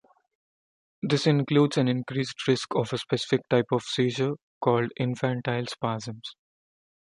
This includes an increased risk of a specific type of seizure called infantile spasms.